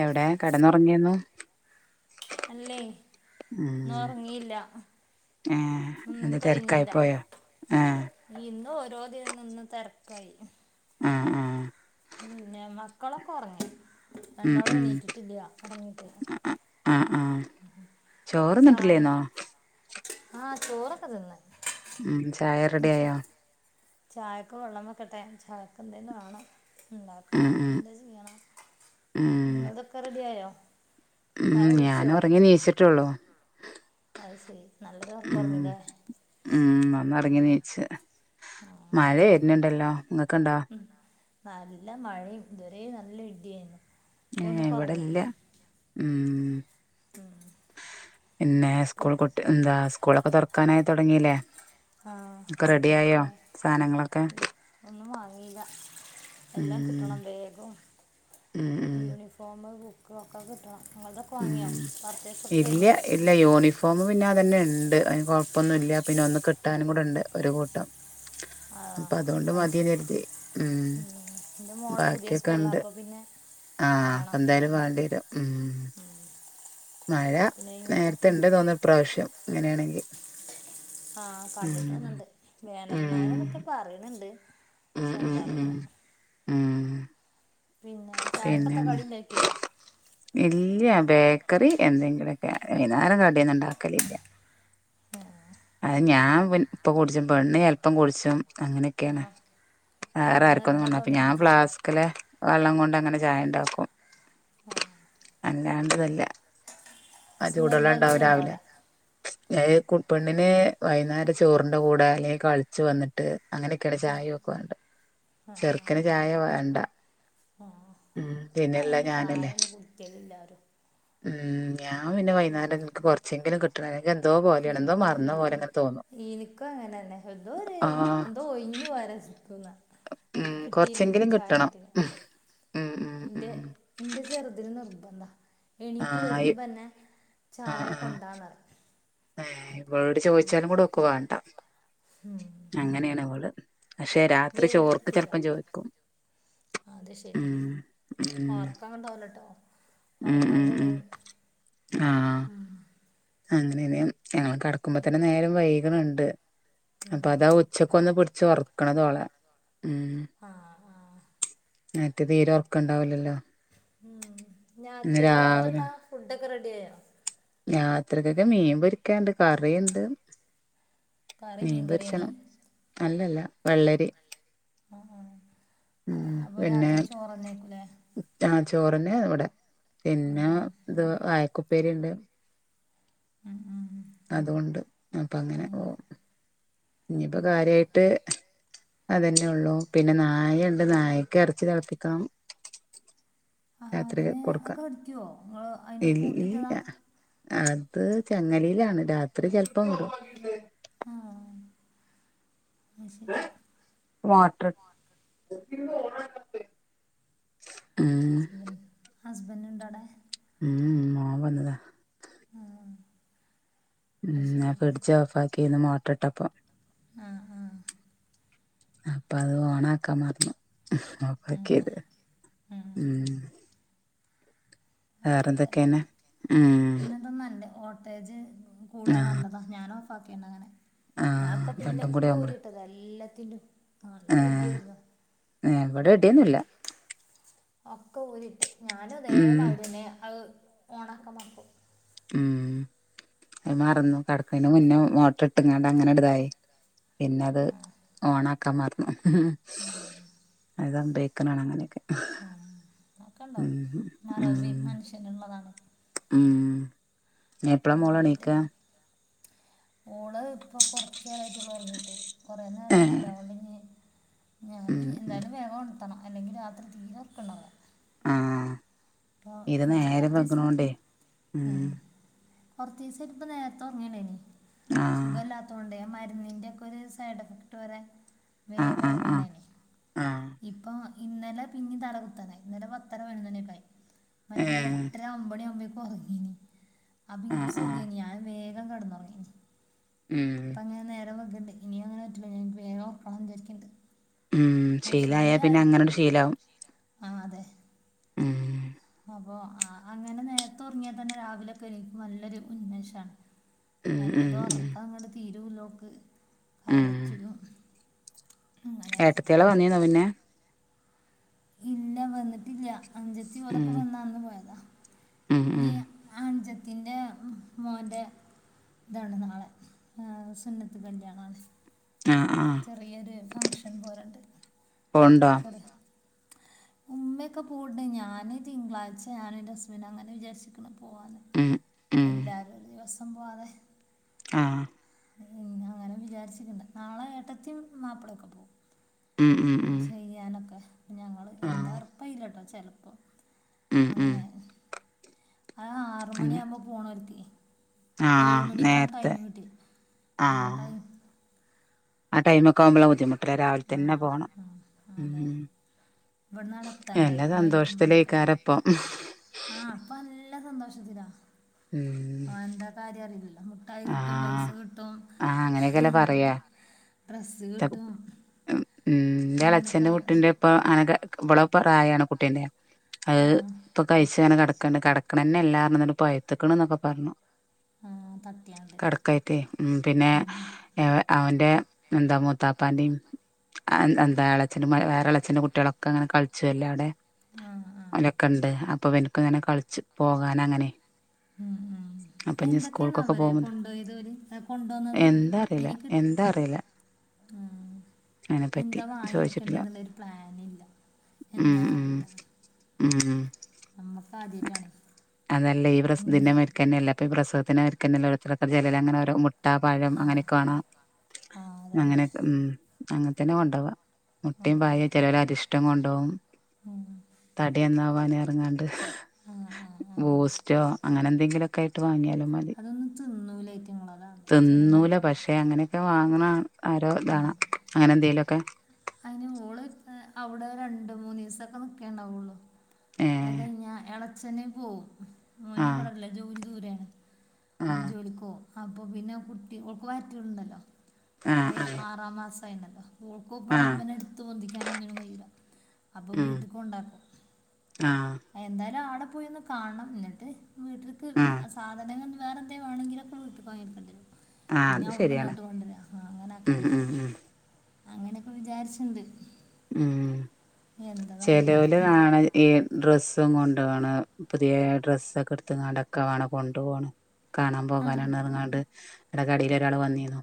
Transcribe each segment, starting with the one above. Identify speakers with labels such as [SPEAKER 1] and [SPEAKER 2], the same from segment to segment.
[SPEAKER 1] എവിടെ കിടന്നുറങ്ങിയോ ഇന്നു
[SPEAKER 2] അല്ലേ ഇന്ന് ഉറങ്ങിയില്ല
[SPEAKER 1] ആ
[SPEAKER 2] ഒന്നും
[SPEAKER 1] എന്റെ തിരക്കായി
[SPEAKER 2] കഴിഞ്ഞില്ല
[SPEAKER 1] പോയോ ആഹ
[SPEAKER 2] ഇന്ന് ഓരോ തിന് നിന്ന് തിരക്കായി
[SPEAKER 1] ആഹ് ആഹ്
[SPEAKER 2] പിന്നെ മക്കളൊക്കെ ഉറങ്ങി
[SPEAKER 1] ഉം
[SPEAKER 2] രണ്ടാളും
[SPEAKER 1] ഉം
[SPEAKER 2] എണീറ്റിട്ടില്ല ഉറങ്ങിട്ട്
[SPEAKER 1] ആഹ് ആഹ്
[SPEAKER 2] ചായ
[SPEAKER 1] ചോറ്ന്നിട്ടില്ലേന്നോ
[SPEAKER 2] ആഹ ചോറൊക്കെ തിന്ന്
[SPEAKER 1] ഉ ചായ
[SPEAKER 2] ചാ
[SPEAKER 1] റെഡിയായോ
[SPEAKER 2] ചായക്ക് വെള്ളമൊക്ക വെക്കട്ടെ ചായക്ക് എന്തേങ്കിലും വേണം ഉണ്ടാക്കും
[SPEAKER 1] ഉം
[SPEAKER 2] ണോ
[SPEAKER 1] ഉം
[SPEAKER 2] എല്ല ചെയ്യണ
[SPEAKER 1] ഉം
[SPEAKER 2] നിങ്ങളതൊക്കെ റെഡി ആയോ
[SPEAKER 1] ഉം ഞൻ ഉറങ്ങി നീചിട്ട് ഒള്ളൂ
[SPEAKER 2] അത് ശരി നല്ലൊരു ഉർക്കം
[SPEAKER 1] ഉം
[SPEAKER 2] ഉറങ്ങില്ലേ
[SPEAKER 1] ഉം ഉറങ്ങി നീച്ചു
[SPEAKER 2] [inaudible]
[SPEAKER 1] മഴ വരുന്നുണ്ടല്ലോ നിങ്ങൾക്ക് ഉണ്ടോ
[SPEAKER 2] ഉ നല്ല മഴയും ഇതുവരെ നല്ല ഇഡിയായിരുന്നു
[SPEAKER 1] ഏ ഇവിടെല്ല ഉം
[SPEAKER 2] ഉം.
[SPEAKER 1] പിന്നെ
[SPEAKER 2] പി-
[SPEAKER 1] സ്കൂൾ കുട്ട എന്താ സ്കൂളൊക്കെ തുറക്കാനായി തുടങ്ങീല്ലേ
[SPEAKER 2] ആഹ്
[SPEAKER 1] ഒക്കെ റെഡി ആയോ
[SPEAKER 2] സ്കൂളൊക്കെ
[SPEAKER 1] സാധങ്ങളൊക്കെ
[SPEAKER 2] ഒന്നും വാങ്ങിയില്ല എല്ലാം
[SPEAKER 1] ഉം
[SPEAKER 2] കിട്ടണം ബേഗും
[SPEAKER 1] ഉം ഉം
[SPEAKER 2] യൂണിഫോമ ബുക്കുംഒക്കെ കിട്ടണം നിങ്ങൾതൊക്കെ വാങ്ങിയോ
[SPEAKER 1] ഉം
[SPEAKER 2] പറ
[SPEAKER 1] ഇല്ല ഇല്ല യൂണിഫോം പിന്നെ അതന്നെ ഉണ്ട് അതിന് കൊഴപ്പൊന്നുംല്ല പിന്നെ ഒന്ന് കിട്ടാനും കൂടെണ്ട് ഒരു കൂട്ടം
[SPEAKER 2] [unintelligible] ആ
[SPEAKER 1] അപ്പൊ അതുകൊണ്ട് മതിന്ന് കരുതി ഉം
[SPEAKER 2] എ്ന്റെ മോള പുതിയ
[SPEAKER 1] ബാക്കിയൊക്കെ
[SPEAKER 2] സ്കൂളാണ്
[SPEAKER 1] ഉണ്ട്
[SPEAKER 2] അപ്പൊ പിന്നെ
[SPEAKER 1] ആഹ്
[SPEAKER 2] വേണം
[SPEAKER 1] എന്തായാലും വേണ്ടി വരും ഉ മഴ
[SPEAKER 2] പിന്നെ
[SPEAKER 1] നേരത്ത ഉണ്ട് തോന്നുന്ന ഇപ്രവശ്യം അങ്ങനെയാണെങ്കിൽ
[SPEAKER 2] ആഹ് കണ്ടിട്ട് വന്നിണ്ട് വേനൽ
[SPEAKER 1] ഉം
[SPEAKER 2] മഴ അതൊക്കെ പറയുന്നുണ്ട്
[SPEAKER 1] ഉം
[SPEAKER 2] പക്ഷെ
[SPEAKER 1] ഉം
[SPEAKER 2] എന്താറില്ല
[SPEAKER 1] ഉം ഉം
[SPEAKER 2] പിന്നെ ചായക്ക്
[SPEAKER 1] പിന്നെ
[SPEAKER 2] എന്താ കടി ഇണ്ടാക്കിയോ
[SPEAKER 1] ഇല്ല ബേക്കറി എന്തെങ്കിലൊക്കെ വൈകനേരം കടിയന്നും ഉണ്ടാക്കലില്ല അത് ഞാൻ ഇപ്പ കുടിച്ചും പെണ്ണ് ചല്പ്പം കുടിച്ചും അങ്ങനെ
[SPEAKER 2] ആഹ്
[SPEAKER 1] വേറെ ആക്കും പറ അപ്പ ഞാൻ
[SPEAKER 2] നിർബന്ധമൊന്നുമില്ല
[SPEAKER 1] ഫ്ലാസ്കില് വെള്ളം കൊണ്ട് അങ്ങനെ ചായ ഉണ്ടാക്കും
[SPEAKER 2] [inaudible]
[SPEAKER 1] അല്ലാണ്ടതല്ല അ ചൂടുള്ളം ഉണ്ടാവും
[SPEAKER 2] നിർബന്ധമൊന്നും
[SPEAKER 1] രാവിലെ
[SPEAKER 2] ഉണ്ടാവില്ല
[SPEAKER 1] ത് കു പെണ്ണിന് വൈകുന്നേരം ചോറിന്റെ കൂടെ അല്ലെങ്കിൽ കളിച്ചു വന്നിട്ട് ട്ട് അങ്ങനെയൊക്കെടെ
[SPEAKER 2] ഉം
[SPEAKER 1] ചായ ഒെക്കുണ്ട്
[SPEAKER 2] ആഹ്
[SPEAKER 1] ചെറുക്കന് ചായ
[SPEAKER 2] ആഹ്
[SPEAKER 1] വേണ്ട
[SPEAKER 2] ആഹ്
[SPEAKER 1] ഉം പിന്നെല്ല ഞാനല്ലേ
[SPEAKER 2] എല്ലാരും
[SPEAKER 1] ഉം ഞാൻ പിന്നെ വൈന്നാരം നിക്ക് കൊറച്ചെങ്കിലും കിട്ടണ എന്തോ പോലെയാണ് എന്തോ മറന്ന പോലെ അങ്ങനെ തോന്നും
[SPEAKER 2] എനിക്കും അങ്ങനെ തന്നെ
[SPEAKER 1] ആ
[SPEAKER 2] എന്തോ ഒരു ഒഞ്ഞു പോരാ ചിക്കുന്ന
[SPEAKER 1] ഉം
[SPEAKER 2] കിട്ടില്ലെങ്കി
[SPEAKER 1] കൊറച്ചെങ്കിലും
[SPEAKER 2] ചായ
[SPEAKER 1] കിട്ടണം
[SPEAKER 2] കിട്ട
[SPEAKER 1] ഉം ഉം ഉം
[SPEAKER 2] ഇന്റെ
[SPEAKER 1] ഉം
[SPEAKER 2] ഇന്റെ ചെറുതിന് നിർബന്ധാ.
[SPEAKER 1] ആ
[SPEAKER 2] എണീറ്റ് വരുമ്പോൾ തന്നെ
[SPEAKER 1] ആ
[SPEAKER 2] ചായൊക്ക
[SPEAKER 1] ആ
[SPEAKER 2] കൊണ്ടാന്ന് റിം
[SPEAKER 1] ഏ ഇവളോട് ചോദിച്ചാലും കൂടെ ഒക്ക് വേണ്ട
[SPEAKER 2] ഉം
[SPEAKER 1] അങ്ങനെയാണ് ഇവള്. പക്ഷെ രാത്രി
[SPEAKER 2] വലുത്
[SPEAKER 1] ചോർക്ക്
[SPEAKER 2] കുടിക്കൂല
[SPEAKER 1] ചെലപ്പം ചോയിക്കും.
[SPEAKER 2] അത് ശെരി
[SPEAKER 1] ഉം
[SPEAKER 2] ഓർക്കാംണ്ടാവലട്ടോ?
[SPEAKER 1] ഉം
[SPEAKER 2] വറക്കം
[SPEAKER 1] ഉം ഉം
[SPEAKER 2] കുറയും ഉം
[SPEAKER 1] അങ്ങനെന് ഞങ്ങൾ കിടക്കുമ്പോ തന്നെ നേരം വൈക്ണ്ണ്ട് അപ്പൊ
[SPEAKER 2] ഉം
[SPEAKER 1] അതാ ഉച്ചക്ക് ഒന്ന് പിടിച്ച് ഒർക്ക്ണത് ഒളെ ഉം
[SPEAKER 2] ആഹ് ആഹ്
[SPEAKER 1] മറ്റേത് തീരെ ഉറക്ക് ഉണ്ടാവലല്ലോ.
[SPEAKER 2] ഉം രാത്രി കക്
[SPEAKER 1] രാവിലെ
[SPEAKER 2] ഇപ്പോഴത്താ ഫുഡൊക്കെ റെഡിഅയയോ
[SPEAKER 1] രാത്രയ്ക്കൊക്ക് മീൻ പൊരിക്കാണ്ട് കറിയുണ്ട്.
[SPEAKER 2] കറി മീൻകറിയേനി
[SPEAKER 1] മീൻമ്പരിച്ചണം അല്ലല്ല വെള്ളരി
[SPEAKER 2] ആ അപ്പൊ രാത്രി ചോറ്ന്നേക്കൂലേ?
[SPEAKER 1] ആഹ ചോറിന്നെ ഇവിടെ
[SPEAKER 2] ഉം
[SPEAKER 1] പിന്നെ ഇത് വായക്കുപ്പേരി ഉണ്ട്.
[SPEAKER 2] ആഹ്
[SPEAKER 1] അതുകൊണ്ട് അപ്പൊ അങ്ങനെ പോകും
[SPEAKER 2] ഉം
[SPEAKER 1] ഇനിയിപ്പോ
[SPEAKER 2] ഉം
[SPEAKER 1] കാര്യമായിട്ട്. അതന്നെ ഉള്ളു പിന്നെ നായ ഉണ്ട് നായക്ക് ഇറച്ചി തിളപ്പിക്കണം.
[SPEAKER 2] ആ
[SPEAKER 1] രാത്രി
[SPEAKER 2] അതിനെ
[SPEAKER 1] കൊടുക്കാൻ
[SPEAKER 2] കടിക്കുവോ നിങ്ങള് അതിന്
[SPEAKER 1] ഇല്ല
[SPEAKER 2] പൂട്ടിട്ടതാ
[SPEAKER 1] അത് ചങ്ങലയിലാണ് രാത്രി ചെലപ്പം വിടും.
[SPEAKER 2] അഹ് ശരി
[SPEAKER 1] വാട്ടർ
[SPEAKER 2] ഹസ്ബൻഡ ഹസ്ബൻഡ ഇണ്ട വടെ
[SPEAKER 1] മോൻ വന്നതാണ്.
[SPEAKER 2] ആഹ്
[SPEAKER 1] മ്മ് ഞാൻ ഫ്രിഡ്ജി ഓഫ്‌ ആക്കി ക്ണ് മോട്ടർ ഇട്ടപ്പോ.
[SPEAKER 2] ആ ആ
[SPEAKER 1] അപ്പൊ അത് ഓൺ ആകാൻ മറന്നു. ഓഫ്‌
[SPEAKER 2] ഉം
[SPEAKER 1] ആക്കിയത്
[SPEAKER 2] ഉം
[SPEAKER 1] മ്മ്
[SPEAKER 2] പ്പല്ല
[SPEAKER 1] വേറെന്തൊക്കെയന്നെ ഉം
[SPEAKER 2] പിന്നതും നല്ലേ വോൾട്ടേജ് കൂടാ
[SPEAKER 1] ആഹ്
[SPEAKER 2] നല്ലത. ഞാനൻ ഓഫ് ആക്കിണ് ഞാൻ
[SPEAKER 1] ആഹ്
[SPEAKER 2] ഇപ്പ
[SPEAKER 1] രണ്ടും കൂടി
[SPEAKER 2] പിന്നൊക്കെ
[SPEAKER 1] ആവുമ്പള്
[SPEAKER 2] ഊരിട്ടത് എല്ലാത്തിറ്റിം. നല്ല
[SPEAKER 1] ഏഹ്
[SPEAKER 2] ഇടിയായിരുന്നു
[SPEAKER 1] ഇവിടെ
[SPEAKER 2] അപ്പൊ പിന്നെ
[SPEAKER 1] ഇടിയൊന്നുല്ല
[SPEAKER 2] ഒക്കെ ഊരിട്ട്
[SPEAKER 1] ഉം
[SPEAKER 2] ഞാനുംതേമാരിനെ അത് ഓണൻമാക്കും.
[SPEAKER 1] ഉം അത് മറന്നു കിടക്കന് മുന്നേ മോട്ടർ ഇട്ടങ്ങാണ്ട് അങ്ങനെ ഇടതായി. പിന്നെ അത് ഓണാക്കാൻ മറന്നു.
[SPEAKER 2] ആഹ്
[SPEAKER 1] അതാ ഇടയ്ക്ക്നാണ് അങ്ങനെയൊക്കെ
[SPEAKER 2] ആ അക്കെണ്ടാവും
[SPEAKER 1] ഉം ഉം
[SPEAKER 2] മറവി മനുഷ്യനള്ളതാണ്.
[SPEAKER 1] ഉം എപ്പഴാ
[SPEAKER 2] അത്
[SPEAKER 1] മോള്
[SPEAKER 2] നോക്കിയിട്ട്
[SPEAKER 1] എണീക്കാ.
[SPEAKER 2] ഓള് ഇപ്പൊ കൊറച്ച് നേരമായിട്ട് ഒള്ളു ഉറങ്ങീട്ട് കൊറെ
[SPEAKER 1] ഏഹ്
[SPEAKER 2] നേരയില്ല അവടെ ഞാൻ
[SPEAKER 1] ഉം ഉം
[SPEAKER 2] എന്തായാലും വേഗം ഓണർത്തനം അല്ലെങ്കിൽ രാത്രി തീരെ ഉറക്കണ്ടാവൂല.
[SPEAKER 1] ആഹ ഇത്
[SPEAKER 2] ഇപ്പോൾ
[SPEAKER 1] നേരെ
[SPEAKER 2] കുറച്ച് ദിവസം
[SPEAKER 1] വെക്ണോകൊണ്ട്
[SPEAKER 2] ഉം കുറച്ചീസായിട്ട് ഇപ്പ നേരത്തെ ഉറങ്ങാനേ സുഖ
[SPEAKER 1] ആഹ്
[SPEAKER 2] ഇല്ലാത്തൊണ്ടോ. മരുന്നിന്റെ ഒക്കെ ഒരു സൈഡ് എഫക്ട് വരെ
[SPEAKER 1] ആഹ്
[SPEAKER 2] വേഗം
[SPEAKER 1] ആഹ് ആഹ്
[SPEAKER 2] ഉറങ്ങ്ടയിന്
[SPEAKER 1] ആഹ്
[SPEAKER 2] ഇപ്പൊ ഇന്നലെ പിന്നെ തല കുത്താനായി ഇന്നലെ പത്തര പത്തിനോന് ഒക്കായി മറ്റേ
[SPEAKER 1] ഏഹ്
[SPEAKER 2] എട്ടര ഒമ്പതു മണി ഉറങ്ങിയെന്ന്
[SPEAKER 1] ആഹ് ആഹ്
[SPEAKER 2] സുഖയ്നീ ഞാൻ വേഗം കിന്ന് ഉറങ്ങിന്.
[SPEAKER 1] ഉം
[SPEAKER 2] അപ്പ, അങ്ങനെ നേരം വക്ണ്ട്. ഇനി അങ്ങനെ പറ്റില്ല. എനിക്ക് വേഗം ഉറക്കണം ന്ന് വിചാരിക്കുണ്ട്.
[SPEAKER 1] മ, ശീലായാൽ പിന്നെ അങ്ങനെ യണ്ട് ശീലമാ കും.
[SPEAKER 2] ആഹ്‌, അതെ.
[SPEAKER 1] ഉം
[SPEAKER 2] അപ്പൊ, ആഹ്‌, അങ്ങനെ, നേരത്തെ ഉറങ്ങിയാൽ തന്നെ രാവിലെ ക്കൊരു നല്ലൊരു ഉന്മേഷാണ്.
[SPEAKER 1] ഉം ഉം
[SPEAKER 2] മറ്റേത്
[SPEAKER 1] ഉം
[SPEAKER 2] ഉറക്ക അങ്ങട് തീരുല്ലോക്ക്
[SPEAKER 1] ഉം
[SPEAKER 2] കരചിലും. [unintelligible]
[SPEAKER 1] ഏട്ടത്തയാള വന്നി ന്നോ പിന്നെ?
[SPEAKER 2] ഇല്ല. വന്നിട്ടില്ല, അഞ്ചത്തി ഓലൊക്ക
[SPEAKER 1] ഉം
[SPEAKER 2] വന്നാന്ന് പോയതാ.
[SPEAKER 1] [unintelligible]
[SPEAKER 2] ഈ അഞ്ചത്തിന്റെ മോന്റെ ഇതാണ് നാളെ, സുന്നത്ത് കല്യാണം ആണ്.
[SPEAKER 1] ആഹ് ആഹ്
[SPEAKER 2] ചെറിയൊരു ഫങ്ഷൻ പോലണ്ട്.
[SPEAKER 1] പോണ്ടോ
[SPEAKER 2] ഉമ്മയൊക്കെ പോണ്ണ്ട് ഞാന് തിങ്കളാഴ്ച ഞാനൻ്റെ ഹസ്ബൻറ് അങ്ങനെ വിചാരിച്ച ക്കണ. പോവാന്
[SPEAKER 1] ഉം
[SPEAKER 2] എല്ലാവരും ഒരു ദിവസം പോവാതെ.
[SPEAKER 1] ആഹ്‌
[SPEAKER 2] പിന്നെ, അങ്ങന വിചാരിച്ചിട്ടുണ്ട് നാളെ ഏട്ടത്തിയും മാപ്പിളൊക്കെ പോവും.
[SPEAKER 1] ഉം ഉം ഉം
[SPEAKER 2] ചെയ്യാനൊക്കെ. ഞങ്ങള് എന്താ
[SPEAKER 1] ആഹ്
[SPEAKER 2] ഉ റപ്പയില്ലട്ടോ? ചെലപ്പോ.
[SPEAKER 1] ഉം ഉം
[SPEAKER 2] അങ്ങനെ, ആ ആറ
[SPEAKER 1] അങ്ങനെ
[SPEAKER 2] മണികുമ്പോ പോണര്ക്. ഏഴു
[SPEAKER 1] ആഹ്
[SPEAKER 2] മണിക്കാണ്. ടൈം
[SPEAKER 1] നേരത്തെ
[SPEAKER 2] കിട്ടി. ആ, ടൈം
[SPEAKER 1] ആഹ്‌, ടൈമ ഒക്കെ ആവുമ്പോള ബുദ്ധിമുട് ല്ലേ രാവിലെ തന്നെ
[SPEAKER 2] ആഹ്
[SPEAKER 1] പോണം.
[SPEAKER 2] ഉം അതെ
[SPEAKER 1] ഉം
[SPEAKER 2] ഇവിടന്നാണ് എത്തണ്ടേ
[SPEAKER 1] എല്ലാ സന്തോഷത്തിലയിക്കാര പ്പൊ?
[SPEAKER 2] ആഹ്‌, അപ്പൊ നല്ല സന്തോഷത്തി ലാ
[SPEAKER 1] ഉം
[SPEAKER 2] എന്താ, കാര്യം അറില്ലല്ലോ? മിട്ടായി കിട്ടും. പൈസ
[SPEAKER 1] ആഹ്
[SPEAKER 2] കിട്ടും.
[SPEAKER 1] ആഹ് അങ്ങനെയൊക്കെല്ലേ പറയാ
[SPEAKER 2] ഡ്രസ്
[SPEAKER 1] ത
[SPEAKER 2] കിട്ടും.
[SPEAKER 1] ഉം, ന്റെ
[SPEAKER 2] അങ്ങനൊക്കെ
[SPEAKER 1] എളച്ചഛന്റെ കുട്ടിന്റെ. ഇപ്പ അനക ഇവളെ പ്രായണ് കുട്ടീന്റെ അത്
[SPEAKER 2] ആഹ്
[SPEAKER 1] ഇ കഴിച്ചന കിടക്കണ്ട്. കടക്കണ തന്നെ ഇ ല്ലാ പറഞ്ഞു. പയത്തുക്കണന്നൊക്കെ പറഞ്ഞു.
[SPEAKER 2] പറഞ്ഞു ആഹ് [unintelligible]
[SPEAKER 1] കിടക്കായിട്ട് ഉ പിന്നെ
[SPEAKER 2] ഉം
[SPEAKER 1] അവന്റെ എന്താ മൂത്താപ്പാന്റെ എന്താ, അളച്ഛ്റെ വേറെളച്ചഛ്റെ കുട്ടികളൊക്കെ അങ്ങനെ, കള ചിച്ചു എല്ലാം അവിടെ
[SPEAKER 2] ആഹ് ആഹ്
[SPEAKER 1] ഒലൊക്കെ ഉണ്ട്. അപ്പൊ, ഇവൻ ക്കും കളിച്ച് പോകാന അങ്ങനെ.
[SPEAKER 2] ഉം ഉം
[SPEAKER 1] അപ്പൊ ഇനി
[SPEAKER 2] എന്തൊക്കെ ആണ്.
[SPEAKER 1] സ്കൂൾക്കൊക്കെ
[SPEAKER 2] അവരെ
[SPEAKER 1] പോകുമ്പോ
[SPEAKER 2] കൊണ്ട പോയത് ഓര് അല്ല കൊണ്ടോന്നത്
[SPEAKER 1] എന്താ അറിയില്ല
[SPEAKER 2] അനി കി
[SPEAKER 1] എന്താ അറിയില്ല
[SPEAKER 2] ആഹ്‌,
[SPEAKER 1] അതിനെപ്പറ്റി
[SPEAKER 2] എന്താ വാങ്ങി കൊ
[SPEAKER 1] ചോദിച്ചിട്ടില്ല
[SPEAKER 2] ടുക്കണ്ടേന്നുള്ളരു പ്ലാന് ഇല്ല.
[SPEAKER 1] ഉം ഉം
[SPEAKER 2] എന്താന്നറിയില്ല.
[SPEAKER 1] ഉം
[SPEAKER 2] നമ്മക്ക് ആദ്യട്ടാണ്.
[SPEAKER 1] അതല്ല, ഈ, പ്രസ ഇതിന്റെ പോലെ തന്നെ അല്ലെ. അപ്പൊ പ്രസവത്തിന്റ മരിക്ക ന്നെല്ല. ഓരോ രുത്തർ ചിലർ അങ്ങെ ഓരോ മു മുട്ട, പഴം,
[SPEAKER 2] ആ
[SPEAKER 1] അങ്ങനെയൊക്ക വാണം.
[SPEAKER 2] ആ അതന്നെ
[SPEAKER 1] അങ്ങനെ ഉം, അങ്ങനെ ത്തന്നെ കൊണ്ടോവ.
[SPEAKER 2] ആ
[SPEAKER 1] മുട്ടയും പഴം ചിലര അരിഷ്ടം. ഇഷ്ടം കൊണ്ടോകും
[SPEAKER 2] ഉം.
[SPEAKER 1] തടി നന്നവാന പറഞ്ഞു ങ്ങാണ്ട്.
[SPEAKER 2] ആ ആ ആ
[SPEAKER 1] ബൂസ്റ്റോ, അങ്ങനെ എന്തെങ്കിലുമൊ ഒക്കെ ആയിട്ട് വാങ്ങിയാലും മതി.
[SPEAKER 2] അതൊന്നും തിന്നൂല ഐറ്റങ്ങള് അതാണ് ചെറിയ മക്കള.
[SPEAKER 1] ഒക്കെ വാങ്ങണം ആരോ ഇതാണ് അങ്ങനെ എന്തെങ്കിലുമൊക്കെ
[SPEAKER 2] അതിന് ഓള് അവിടെ രണ്ട് മൂന്ന് ദിവസൊക്കെ നിക്കേണ്ടാവുള്ളു.
[SPEAKER 1] ഏ
[SPEAKER 2] അതഴിഞ്ഞ ഇളച്ചന് പോകും ഓന്
[SPEAKER 1] ആഹ്
[SPEAKER 2] ഇവിടെല്ല ജോലി ദൂരെണ് അപ്പൊ
[SPEAKER 1] ആഹ്
[SPEAKER 2] ജോലിക്കൊവും അപ്പൊ പിന്നെ കുട്ടി ഓക്ക് വയ്റ്റില്ണ്ടല്ലോ
[SPEAKER 1] ആഹ്
[SPEAKER 2] ഓഹ്
[SPEAKER 1] ആഹ്
[SPEAKER 2] ആറാം മാസായിണ് അപ്പൊ വളെ
[SPEAKER 1] ആഹ്
[SPEAKER 2] ഇമ്പനെ ഇട്ത്ത് പൊന്തിക്കാനൊന്നിനും കയ്യൂല അപ്പൊ
[SPEAKER 1] ഉം
[SPEAKER 2] വീട്ട്ക്ക് കൊണ്ടാക്കും
[SPEAKER 1] ആഹ്
[SPEAKER 2] എന്തായാലും ആടെ പോയോന്ന് കാണണം ന്ന്ട്ട് വീട്ട്ക്ക്
[SPEAKER 1] ആഹ്
[SPEAKER 2] സാധനങ്ങള് വേറെ എന്തേ വാണങ്കിലൊക്കെ വിട്ട്പോയിട്ക്കണ്ടിയെരും
[SPEAKER 1] ആഹ്
[SPEAKER 2] പിന്നെ
[SPEAKER 1] അത് ശരിയാണ്
[SPEAKER 2] അവ്ട്ന്ന്ങ്ങട്ട് കൊണ്ടരാ ആഹ്
[SPEAKER 1] ഉം
[SPEAKER 2] അങ്ങനാക്കണ്ടെ
[SPEAKER 1] ഉം ഉം
[SPEAKER 2] അങ്ങനൊക്കെ വിചാര്ച്ച്ണ്ട്
[SPEAKER 1] ഉം ചേലോല് കാണ ഈ ഡ്രസ്സും കൊണ്ടോവ്ണ് പുതിയ ഡ്രസ്സൊക്കെ ഇട്ത്ത്ക്കാണ്ടൊക്കെ വാണം കൊണ്ടു പോണ് കാണാൻ
[SPEAKER 2] ആ
[SPEAKER 1] പോകാനാണ റ്ഞ്ക്കാണ്ട് ഇവിടെ കടീലോരാൾ വന്നിനു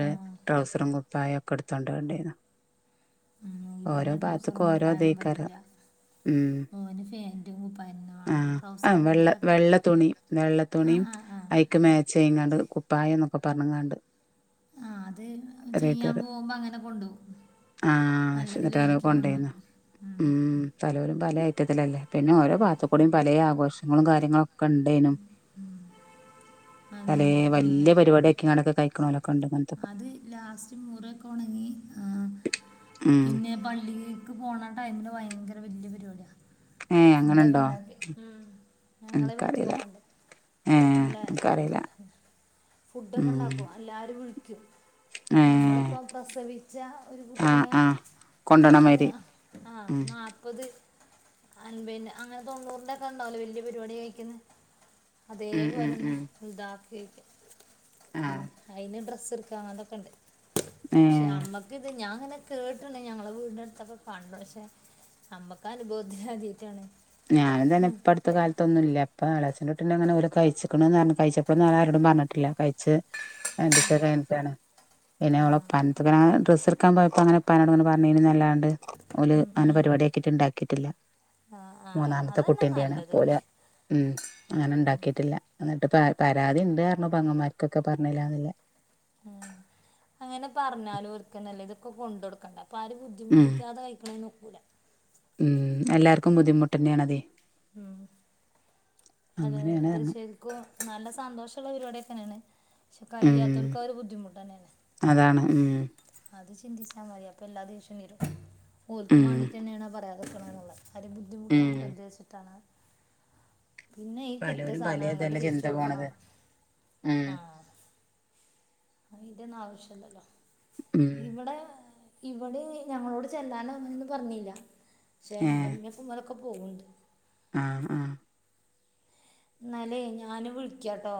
[SPEAKER 2] ആ
[SPEAKER 1] ട്രൗസറും കുപ്പായൊക്കെ ഇട്തൊണ്ടണ്ടെയ്ന്നു
[SPEAKER 2] ഉം ഇവന് ട്രൗസറും
[SPEAKER 1] ഭാഗത്ത്ക്കും ഓരോ
[SPEAKER 2] കുപ്പായൊന്നും
[SPEAKER 1] ഇതേക്കാരം
[SPEAKER 2] പറ്റൂല
[SPEAKER 1] ഉം
[SPEAKER 2] ഓന് ഫെന്റും കൂപ്പയന്നെ വേണം ട്രൗസർ കൂപ്പായൊക്കെ
[SPEAKER 1] ന്താ വെള്ളത്തുണിം അയ്ക്ക് മാേച്ചയ്യ്ണണ്ട് കുപ്പായും ന്നൊക്കെ പറഞ്ക്കാണ്ട്
[SPEAKER 2] ആഹ് അത് ചെയ്യാൻ പോകുമ്പോ അങ്ങനെ കൊണ്ടു പോവും
[SPEAKER 1] ആഹ് പക്ഷേ എന്നിട്ട് ങ്ങനെ കൊണ്ടയ്ന്നു ഉം പലോലും പല ഐറ്റത്തിലല്ലേ പിന്നെ ഓരോ
[SPEAKER 2] ഉം,
[SPEAKER 1] ഭാഗത്തുകൂടേം പല ആഘോഷങ്ങളും കാര്യങ്ങളും ഓക്കണ്ടേയ്നും
[SPEAKER 2] ഉം. അതെ
[SPEAKER 1] എത്താലേ
[SPEAKER 2] അതെ
[SPEAKER 1] വല്യ പരിപടികിക്കാണ്ട് കഴിക്കുന്നോരോക്കെ ണ്ട് ഇങ്ങന് തൊക്കെ
[SPEAKER 2] ആ അത് ലാസ്റ്റ് മൂറിയൊക്കെ ഒണങ്ങി ആഹ്
[SPEAKER 1] ഉം
[SPEAKER 2] പിന്നെ പള്ളിലൊക്കെ പളീക്ക് പോണ ടൈമില് ഭയങ്കര വല്യ പരിപാടിയാ
[SPEAKER 1] ഏഹ്
[SPEAKER 2] ഫുഡോക്കെ
[SPEAKER 1] അങ്ങനെണ്ടോ
[SPEAKER 2] ണ്ടാക്കി ഉം ഞങ്ങളെ ഈ
[SPEAKER 1] ഇൻക്കറീല
[SPEAKER 2] ഭാഗത്ത്ക്കോക്കണ്ട്
[SPEAKER 1] ഏഹ്
[SPEAKER 2] നല്ല
[SPEAKER 1] ഇൻക്കറീല
[SPEAKER 2] ഫുഡൊക്കെ
[SPEAKER 1] ഉം
[SPEAKER 2] ഉണ്ടക്കോ എല്ലാരും വിളിക്കോ
[SPEAKER 1] ഏഹ്
[SPEAKER 2] നമ്മളിപ്പോ പ്രസവിച്ച ഒരു
[SPEAKER 1] ആഹ്
[SPEAKER 2] കുട്ടിനെ
[SPEAKER 1] ആഹ് കൊണ്ടോണമാരി
[SPEAKER 2] ഏഹ് ആഹ്
[SPEAKER 1] ഉം
[SPEAKER 2] ന്നാപ്പത് അൻപിന്റെ അങ്ങനെ തൊണ്ണൂറിന്റെ ഒക്കെ ഉണ്ടാവ്ല്ലോ വല്യ പരിപാടി കഴിക്കുന്നെ
[SPEAKER 1] ഉം
[SPEAKER 2] അതേപോലെ
[SPEAKER 1] ഉം
[SPEAKER 2] തന്നെ
[SPEAKER 1] ഉം
[SPEAKER 2] ഇതാക്കിക്ക
[SPEAKER 1] ആഹ്
[SPEAKER 2] ഏഹ് അയ്ന് ഡ്രസ്സ്ട്ക്കണം അതൊക്കെണ്ട്
[SPEAKER 1] ഏഹ്
[SPEAKER 2] നമ്മക്ക്ത് ഞാൻ ങ്ങനെ കേട്ട്ണ് ഞങ്ങളെ വീട്ന്റട്ത്തൊക്കെ കണ്ട്ണ് പക്ഷെ അമ്മക്കാ അനുഭവത്തി അദ്യയ്ട്ടാണ്
[SPEAKER 1] ഞാനും തന്നെപ്പട്ത്ത് അടുത്ത കാലത്തൊന്നുല്ല പ്പ എളച്ചെന്റുട്ടിന്റ് അങ്ങനെഓല് കഴിച്ച്ക്ക്ണ്റ്ഞ്ഞു കഴിച്ചപ്പളോന്നും ഓല് അങ്ങനെ ആരോടും പറഞ്ഞിട്ടില്ല കഴിച്ച് രണ്ടീസം കഴ്ഞ്ഞിട്ടാണ് പിന്നെ
[SPEAKER 2] ആ
[SPEAKER 1] ഓളെ പ്പന്റെട്ത്ത്ക്ക് ങ്ങനെ ഡ്രസ്സ് ട്ക്കാന് പോയപ്പോ അങ്ങനെ പ്പനോട്ങ്ങനെ പറ്ഞ്ഞിന് നല്ലാണ്ട് ഓല്
[SPEAKER 2] ഉം,
[SPEAKER 1] അങ്ങനന്
[SPEAKER 2] ഉം.
[SPEAKER 1] പരിപാടി ആക്കിട്ട് ണ്ടാക്കിട്ടില്ല
[SPEAKER 2] ആ ആ
[SPEAKER 1] മൂന്നാമത്തെ
[SPEAKER 2] അതന്നെ
[SPEAKER 1] കുട്ടീന്റെയാണ്
[SPEAKER 2] നല്ലത്
[SPEAKER 1] അപ്പോല് ഉം അങ്ങനെ ണ്ടാക്കിയിട്ടില്ല എന്നിട്ട് പരാതിണ്ട്റ്ഞ്ഞു അങ്ങന്മാർക്കൊക്കെ പറഞ്ഞില്ലന്നിള്ളെ
[SPEAKER 2] ഉം അങ്ങനെ പറഞ്ഞാലും ഒര്ക്ക നല്ലെ ഇതൊക്കെ കൊണ്ടോട്ക്കണ്ടെ അപ്പ ആഹ് ഒരു ബുദ്ധി
[SPEAKER 1] ഉം
[SPEAKER 2] ബുദ്ധിമുട്ടിക്കതെ കഴിക്ക്ണീനൊക്കൂല
[SPEAKER 1] ഉം എല്ലാർക്കും ബുദ്ധിമുട്ടന്നെണതെയ്
[SPEAKER 2] ഉം അതെ അതെ
[SPEAKER 1] അങ്ങനെയാണ്
[SPEAKER 2] ഇത്
[SPEAKER 1] പറഞ്ഞു
[SPEAKER 2] ശരിക്കും നല്ല സന്തോഷള്ള പരിപാടിയൊക്കെനെണ്
[SPEAKER 1] ഉം
[SPEAKER 2] ക്കായിയാത്തൊക്ക ഒരു ബുദ്ധിമുട്ടാണ്നെ
[SPEAKER 1] അതാണ് ഉം
[SPEAKER 2] അത് ചിന്തിച്ചാ മതി അപ്പൊ എല്ലാ ദേഷ്യവും തീരും ഓൽക്കും
[SPEAKER 1] ഉം
[SPEAKER 2] വേണ്ടിറ്റെന്നെണത് പറയാത്ത് എട്ക്ക്ണ്ന്നുള്ളെ അത്
[SPEAKER 1] ഉം
[SPEAKER 2] ബുദ്ധിമുട്ടാക്കര്ത്ച്ചിട്ടാണ് പിന്നെ ഈ കിട്ടിയ
[SPEAKER 1] പലോരും
[SPEAKER 2] സാധന
[SPEAKER 1] പലേ
[SPEAKER 2] അങ്ങട്ട്
[SPEAKER 1] ഇതല്ലേ
[SPEAKER 2] തിരിച്ച്
[SPEAKER 1] ചിന്ത
[SPEAKER 2] കൊടുക്കണോ
[SPEAKER 1] പോണത് ഉം
[SPEAKER 2] ആഹ് അയിന്റെന്നും ആവശ്യം ഇല്ലല്ലോ
[SPEAKER 1] ഉം
[SPEAKER 2] ഇവടെ ഇവടിം ഞങ്ങളോട് ചെല്ലാനോന്നൊന്നും പറഞ്ഞില്ല പക്ഷെ ഇന്റെ
[SPEAKER 1] ഏഹ്
[SPEAKER 2] ഇമ്മ ഉങ്ങലൊക്കെ പോകുണ്ട്
[SPEAKER 1] ആഹ് ആഹ്
[SPEAKER 2] ഇന്നാല്ലേ ഞാന് വിളിക്കട്ടോ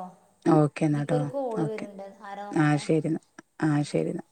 [SPEAKER 1] ഓക്കെ എന്നാട്ടോ
[SPEAKER 2] ഇതിക്കൊരു കോള്
[SPEAKER 1] ഓക്കെ
[SPEAKER 2] വര്ണ്ട് ആരാ
[SPEAKER 1] ആഹ്
[SPEAKER 2] നോക്കട്ടെ
[SPEAKER 1] ശരി എന്നാ ആഹ് ശരി ന്നാ